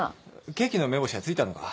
ケーキの目星は付いたのか？